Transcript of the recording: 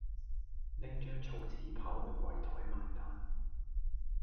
拎張草紙跑去櫃枱埋單